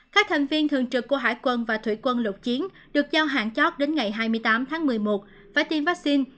các thành viên thường trực của hải quân và thủy quân lục chiến được giao hạn chót đến ngày hai mươi tám tháng một mươi một phải tiêm vaccine